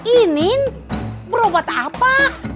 inin berobat apa